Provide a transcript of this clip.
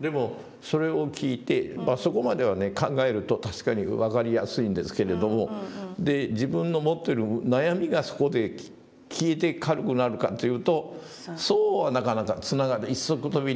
でもそれを聞いてまあそこまではね考えると確かに分かりやすいんですけれども自分の持ってる悩みがそこで消えて軽くなるかというとそうはなかなか一足飛びにはつながらないですね。